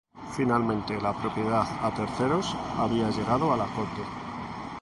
Finalmente la propiedad a terceros había llegado a la corte.